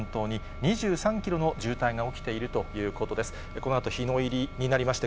このあと、日の入りになりまして、